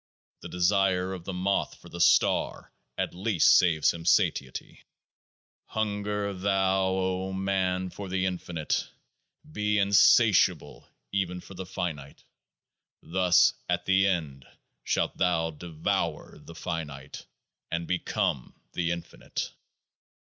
The desire of the moth for the star at least saves him satiety. Hunger thou, O man, for the infinite : be in satiable even for the finite ; thus at The End shalt thou devour the finite, and become the infinite.